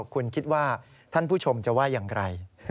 คุณคิดว่าท่านผู้ชมจะว่าอย่างไร